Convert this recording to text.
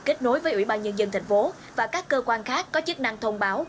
kết nối với ủy ban nhân dân thành phố và các cơ quan khác có chức năng thông báo